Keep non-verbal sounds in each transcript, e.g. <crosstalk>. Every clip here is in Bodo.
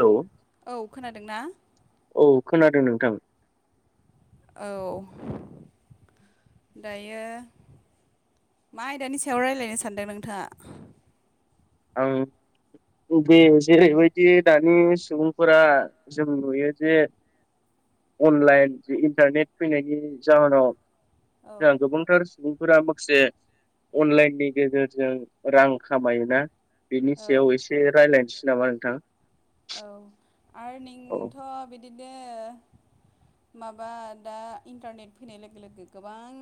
हेलौ औ खोनादोंना? औ खोनादों नोंथां। औ। दायो मा आयदानि सायाव रायज्लायनो सानदों नोंथाङा आं बे जेरैबायदि दानि सुबुंफोरा जों नुयो जे अनलाइन ज इन्टारनेट फैनायनि जाहोनाव औ जोंहा गोबांथार सुबुंफोरा माखासे अनलाइननि गेजेरजों रां खामायोना बिनि औ सायाव एसे रायज्लायनोसै नामा नोंथां। औ आरो औ नोंथां बिदिनो माबा दा इन्टारनेट फैनाय लोगो लोगो गोबां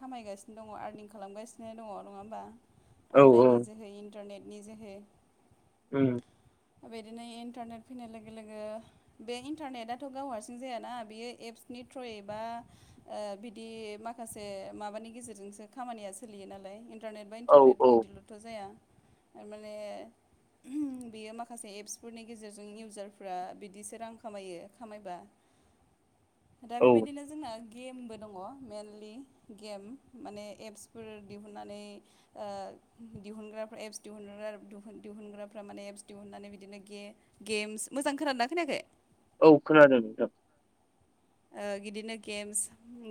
खामायगासिनो। दङ आर्निं खालामगासिनो दङ नङा होमबा औ औ अनलाइन नि जोहै इन्टारनेटनि जोहै <inaudible> बिदिनो इन्टारनेट फैनाय लोगो लोगो बे इन्टारनेटाथ' गाव हारसिं जायाना बियो एप्सनि थ्र'यैबा बिदि माखासे माबानि गेजेरजोंसो खामानिया सोलियो नालाय इन्टारनेट बा औ इन्टारनेट औ बिदिल'थ' जाया थारमाने बेयो माखासे माखासे एप्सफोरनि गेजेरजों इउजारफ्रा बिदिसो रां खामायो खामायबा दा औ बेबायदिनो जोंना गेमबो दङ मेइेनलि गेम माने एप्सफोर दिहुननानै दिहुनग्राफ्रा एप्स दिहुनग्रा दिहुनग्राफ्रा माने एप्स फटिउ होननानै बिदिनो गे गेम्स मोजां खोनानना खोनायाखै औ खोनादों नों बिदिनो गेम्स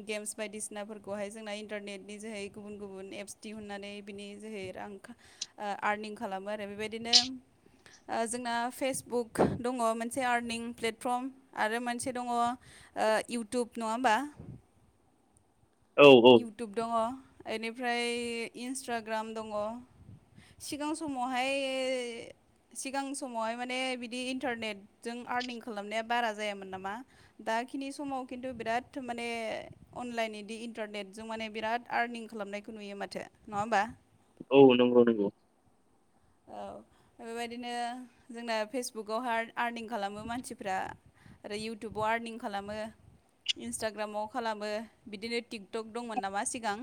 गेम्स बायदिसिनाफोरखौहाय जोंना इन्टारनेटनि जोहै गुबुन गुबुन एप्स दिहुननानै बिनि जोहै आं आरनिं खालामो आरो बेबायदिनो जोंना फेसबुक दङ मोनसे आर्निं प्लेटफर्म आरो मोनसे दङ इउटुब नङाहमबा औ औ इउटुब दङ बेनिफ्राय इन्सटाग्राम दङ सिगां समावहाय सिगां समावहाय माने बिदि इन्टारनेटजों आरनिं खालामनाया बारा जायामोन नामा दाखिनि समाव खिन्थु बिराद माने अनलाइन बिदि इन्टारनेटजों माने बिराद आरनिं खालामनायखौ नुयो माथो नङा होमबा औ नंगौ नंगौ औ बेबायदिनो जोंना फेसबुकआव हार्ड आरनिं खालामो मानसिफ्रा आरो इउटुबाव आरनिं खालामो इन्सटाग्रामाव खालामो बिदिनो टिकटक दंमोन नामा सिगां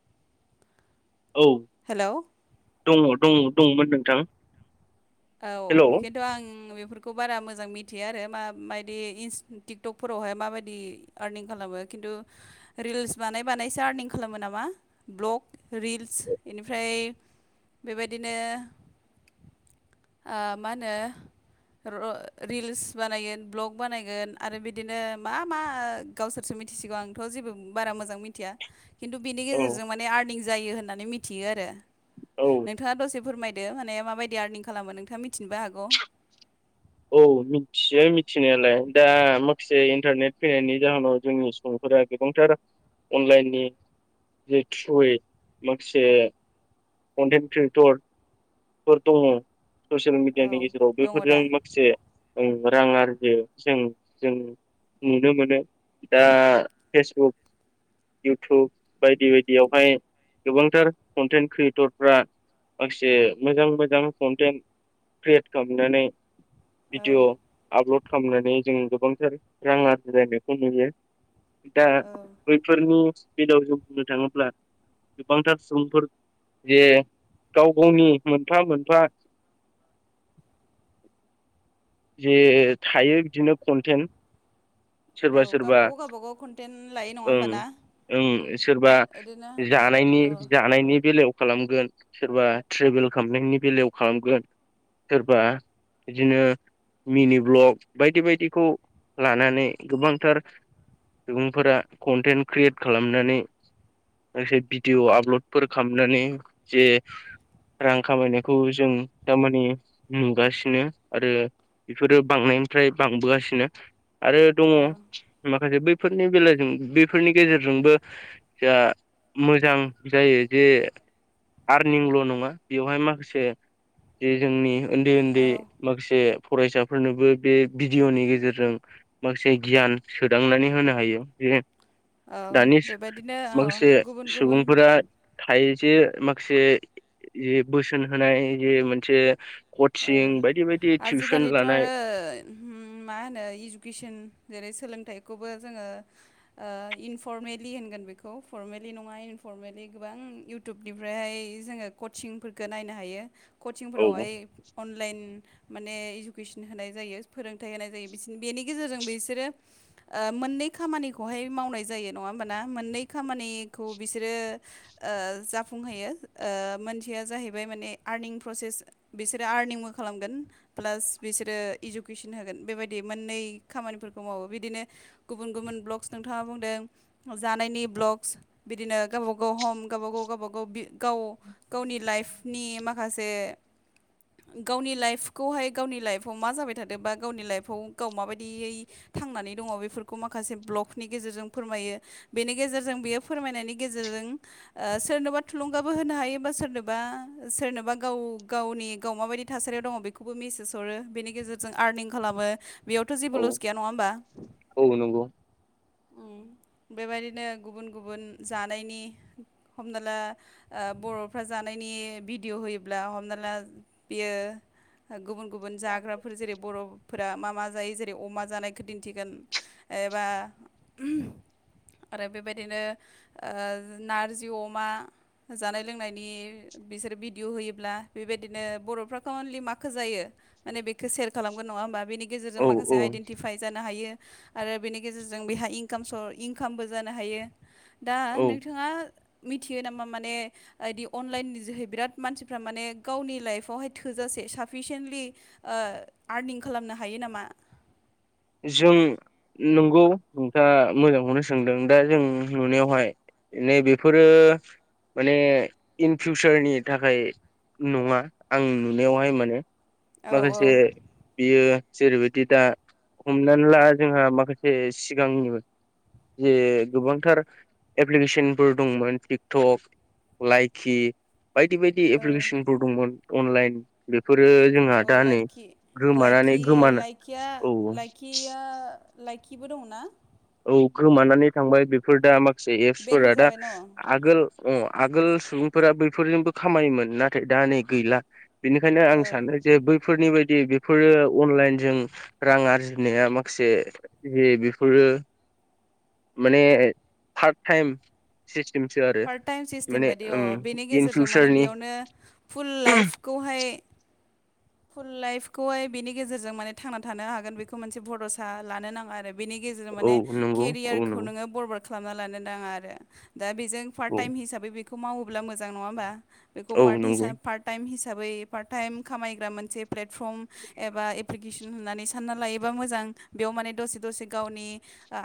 <inaudible> औ हेलौ दङ दङ दङमोन नोंथां औ हेलौ खिन्थ' आं बेफोरखौ बारा मोजां मिथियो आरो म मायदि टिकटकफोरावहाय माबायदि आर्निं खालामो खिन्थु रिल्स बानाय बानायसो आर्निं खालामो नामा ब्लग रिल्स बेनिफ्राय बेबायदिनो मा होनो र रिल्स बानायगोन भ्लग बानायगोन आरो बिदिनो मा मा गावसोरसो मिथिसिगौ आंथ' जेबो बारा मोजां मिथिया खिन्थु बिनि औ गेजेरजों माने आर्निं जायो होननानै मिथियो आरो औ नोंथाङा दसे फोरमायदो माने माबायदि आर्निं खालामो नोंथाङा मिथिनोबो हागौ औ मिथियो मिथिनायालाय दा माखासे इन्टारनेट फैनायनि जाहोनाव जोंनि सुबुंफोरा गोबांथार अनलाइननि जे थ्रुयै माखासे अनेग ख्रियेटर फोर दङ ससियेल औ मिडियानि गेजेराव दङ बेफोरजों दा माखासे रां आरजि जों जों नुनो मोनो दा फेसबुक इउटुब बायदि बायदियावहाय गोबांथार कन्टेन्ट क्रियेटरफ्रा माखासे मोजां मोजां कन्टेन्ट क्रियेट खालामनानै औ भिडिअ आपल'ड खालामनानै जों गोबांथार रां आरजिलायनायखौ नुयो दा औ बैफोरनि स्पिडआव जों बुंनो थाङोब्ला गोबांथार सुबुंफोर जे गाव गावनि मोनफा मोनफा जे थायो बिदिनो कन्टेन्ट औ सोरबा सोरबा गावबाागाव गावबाागाव कनटेन्ट लायो नङा ओं होमब ना ओं सोरबा बिदिनो जानायनि औ जानायनि बेलायाव खालामगोन सोरबा ट्रेभेल खालामनायनि बेलायाव खालामगोन सोरबा बिदिनो मिनि ब्लक बायदि बायदिखौ लानानै गोबांथार सुबुंफोरा कन्टेन्ट क्रियेट खालामनानै जे भिदिअ आपल'डफोर खालामनानै जे रां खामायनायखौ जों थारमाने नुगासिनो आरो बेफोरो बांनायनिफ्राय बांबोगासिनो आरो दङ औ माखासे बैफोरनि बेलजों बफोरनि गेजेरजोंबो जा मोजां जायो जे आरनिंल' नङा बेवहाय माखासे जे जोंनि उन्दै औ उन्दै माखासे फरायसाफोरनोबो बे भिडिअ'नि गेजेरजों। माखासे गियान सोदांनानै होनो हायो जे औ दानि बेबायदिनो औ माखासे गुबुन गुबुन सुबुंफोरा थायो जे माखासे ज बोसोन होनाय जे मोनसे ओ कचिं बायदि बायदि। टिउसन आजिखालिथ' लानाय आरो मा होनो इडुकेसन जेरै सोलोंथाइखौबो जोङो। इनफरमेलि होनगोन बेखौ फरमेलि नङा इनफरमेलि गोबां इ इउटुबनिफ्रायहाय जोङो कचिंफोरखौ नायनो हायो औ कचिंफोरावहाय अनलाइन माने इडुकेसन होनाय जायो फोरोंथाइ होनाय जायो बिस बेनि गेजेरजों बिसोरो। मोननै खामानिखौहाय मावनाय जायो नङा होमबाना मोननै खामानिखौ बिसोरो। जाफुंहैयो मोनसेया जाहैबाय माने आर्निं प्रसेस बिसोर बे आर्निंबो खालामगोन। प्लास बिसोरो इडुकेसन होगोन बेबायदि मोननै खामानिफोरखौ मावो बिदिनो गुबुन गुबुन ब्लक्स नोंथाङा बुंदों। जानायनि ब्लक्स बिदिनो गावबागाव हम गावब गाव गावबा गाव गाव गावनि लाइफनि माखासे। गावनि लाइफखौहाय गावनि लाइफआव मा जाबाय थादों बा गावनि लाइफआव गाव माबायदियै। थांनानै दङ बेफोरखौ माखासे ब्लकनि गेजेरजों फोरमायो। बेनि गेजेरजों बियो फोरमायनायनि गेजेरजों। सोरनोबा थुलुंगाबो होनो हायोबा सोरनोबा सोरनोबा गाव गावनि। गाव माबायदि थासारियाव दङ बेखौबो मिेसेज हरो बेनि गेजेरजों आर्निं खालामो बेयावथ' जेबो औ लस गैया नङा होमबा। औ नंगौ बेबायदिनो गुबुन गुबुन जानायनि हमना ला। बर'फ्रा जानायनि भिडिअ' होयोब्ला हमना ला बियो गुबुन गुबुन जाग्राफोर जेरै बर' फोर मा मा जायो जेरै अमा जानायखौ दिन्थिगोन एबा आरो बेबायदिनो नारजि अमा। जानाय लोंनायनि बिसोर भिडिय' होयोब्ला बेबायदिनो बर'फ्राखौ अनलि माखौ जायो माने बेखौो सेयार खालामगोन नङा होमबा। गेजेरजों औ माखासे औ आइडेन्टिफाइ जानो हायो। आरो बेनि गेजेरजों बेहा इकाम इनकामबो जानो हायो‌। दा औ नोंथाङा मिथियो नामा माने बिदि अनलाइन जोहै बिराद मानसिफ्रा माने गावनि लाइफ बेवहाय थोजासे साफिसिन्टलि आर्निं खालामनो हायो नामा। जों नंगौ नोंथाङा मोजांखौनो सोंदों दा जों नुनायावहाय। नै बेफोरो। माने इन फिउसारनि थाखाय नङा आं नुनायावहाय माने। औ औ माखासे बियो जेरैबायदि दा हमनानै ला जोंहा माखासे सिगांनिबो। जे गोबांथार एप्लिकेसनफोर दंमोन टिकटक। लाइकि बायदि बायदि औ एप्लिकेसनफोर दंमोन अनलाइन बेफोरो। जोंहा अ दा नै लाइखि गोमानानै लाइखि गोमान लाइखिया औ। लाइखिया लाइखिबो दङना? औ गोमानानै थांबाय बेफोर दा माखासे एप्सफोरा बेनो दा। जाबाय न' औ आगोल अ आगोल सुबुंफोरा बैफोरजोंबो खामानिमोन नाथाय दा नै गैला। बेनिखायनो आं सानो। जे बैफोरनि बायदि बेफोरो अनलाइनजों रां आरजिनाया माखासे। ज बेफोरो माने फार्ट टाइमाव। पार्ट टाइम सिस्टेम बायदि अ ओम बेनि इन गेजेरजों माने फिउचारनि बेयावनो फुल लाइफखौहाय स्कुल लाइफखौहाय बिनि गेजेरजों माने थांना थानो हागोन बेखौ मोनसे बड'सा लानो नाङा आरो। बेनि गेजेरजों औ माने नंगौ औ केरियारखौ नंगौ नोङो बरबाद खालामना लानो नाङा आरो दा बेजों। पार्ट औ टाइम हिसाबै बेखौ मावोब्ला मोजां नङा होमबा बेखौ औ पार्ट नंगौ हिसाब पार्ट हि खाम मोन एबा्नानै लायोबा मोजां बे दसे द गावनि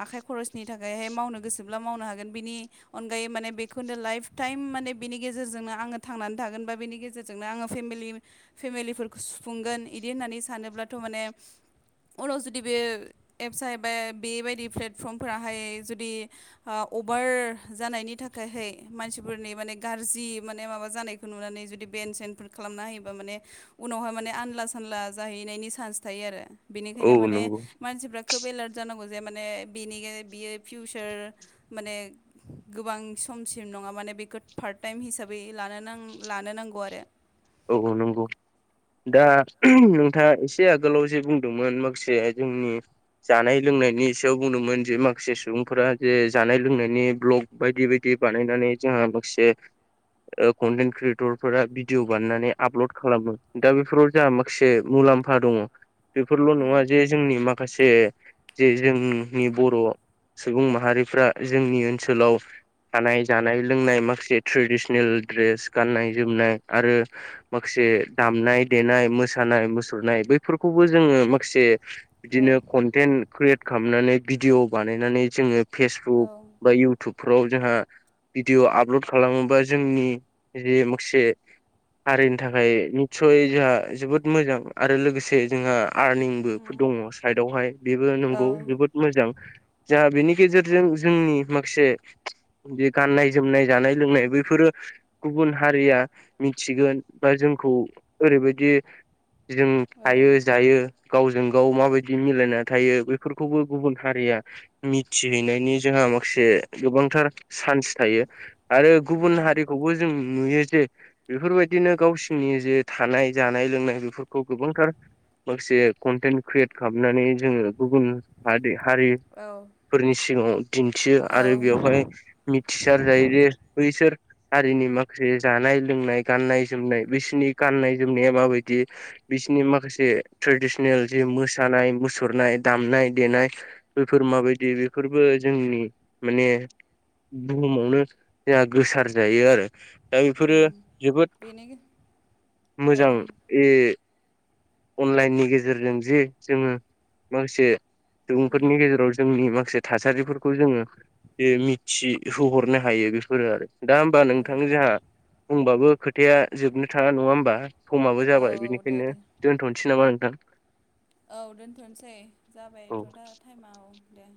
आखाइ खरसनि थाखायहाय मावनो गोसोब्ला मावनो हागोन बिनि अनगायै माने बेखौनो लाइफ टाइम माने बिनि गेजेरजोंनो आङो थांनानै थागोन बा बेनि गेजेरजों। जजोंनो आङो फेमलि फेमिलिफोरखौ सुफुंगोन बिदि होननानै सानोब्लाथ' माने उनाव जुदि बे एप्सहाय बा बेबायदि प्लेटफर्मफोराहाय जुदि अभार जानायनि थाखायहाय मानसिफोरनि माने गाज्रि माने माबा जानायखौ बे खौ नुनानै जुदि बेन सेनफोर खालामना होयोबा माने। उनावहाय माने आनला सानला जाहैनायनि सान्स थायो आरो औ बेनिखायनो माने नंगौ मानसिफ्रा। खोब एलार्ट जानांगौ जे माने बिनि बियो फिउचार माने। गोबां समसिम नङा माने बेखौ पार्ट टाइम हिसाबै लानो न लानो नांगौ आरो। औ नंगौ। दा नोंथाङा एसे आगोलावसो बुंदोंमोन माखासेया जोंनि। जानाय लोंनायनि सायाव बुंदोंमोन जे माखासे सुबुंफोरा जे जानाय लोंनायनि ब्लग बायदि बायदि बानायनानै जोंहा माखासे कन्टेन्ट क्रियेटरफोरा भिदिअ बाननानै आपलड खालामो दा बेफोराव जहा माखासे मुलाम्फा दङ बेफोरल' उम नङा जे जोंनि माखासे जे जोंनि बर'। सुबुं माहारिफ्रा जोंनि ओनसोलाव थानाय जानाय लोंनाय माखासे ट्रेडिसनेल दड्रेस गाननाय जोमनाय आरो। माखासे दामनाय देनाय मोसानाय मुसुरनाय बैफोरखौबो जोङो माखासे। औ बिदिनो कन्टेन्ट क्रियेट खालामनानै भिडिअ' बानायनानै जोङो फेसबुक औ बा इउ इउटुबफोराव जोंहा भिडिअ आपल'ड खालामोबा जोंनि जे माखासे हारिनि थाखाय निसय जोंहा जोबोद मोजां आरो लोगोसे जोंहा आर्निं। औ दङ साइदवहाय बेबो औ नंगौ जोबोद मोजां। जों बेनि गेजेरजों जोंनि माखासे बे गाननाय जोमनाय जानाय लोंनाय बैफोरो गुबुन हारिया मिथिगोन बा जोंखौ ओरैबायदि जों औ थायो जायो। गावजों गाव माबायदि मिलायना थायो बेफोरखौबो गुबुन हारिया। मिथिहैनायनि जोंहा माखासे गोबांथार चान्स थायो आरो गुबुन हारिखौबो जों नुयो जे बेफोरबायदिनो गावसिनि जे थानाय जानाय लोंनाय बेफोरखौ गोबांथार माखासे कन्टेन्ट क्रियेट खालामनानै जोङो गुबुन हारि हारि। औ फोरनि सिगाङाव दिन्थियो आरो बेवहाय मिथिसार जायो जे बैसोर हारिनि माखासे जानाय-लोंनाय गाननाय जोमनाय बिसोरनि गाननाय जोमनाया माबायदि बिसनि माखासे ट्रेडिसनेल जे मोसानाय मुसुरनाय दामनाय देनाय। बेफोर माबायदि बेफोरबो जोंनि माने। बुहुमावनो जोंहा गोसार जायो आरो दा बेफोरो। जोबोद बेनो औ मोजां। बे अनलाइननि गेजेरजों जे जोङो माखासे। सुबुंफोरनि गेजेराव जोंनि मासे थासारिफोरखौ जोङो बे मिथिहोहरनो हायो बेफोरो आरो दा होमबा नोंथां जोंहा बुंबाबो। खोथाया जोबनो थाङा नङा होमबा समाबो औ जाबाय दे बेनिखायनो दे दोनथ'नोसै नामा नोंथां। औ दोनथ'नोसै औ जाबायथ' दा टाइमा औ दे।